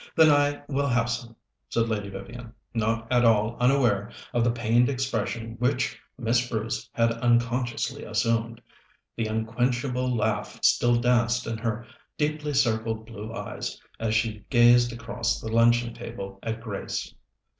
"Then I will have some," said Lady Vivian, not at all unaware of the pained expression which Miss Bruce had unconsciously assumed. The unquenchable laugh still danced in her deeply circled blue eyes as she gazed across the luncheon table at Grace.